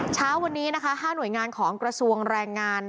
เช้าวันนี้นะคะ๕หน่วยงานของกระทรวงแรงงาน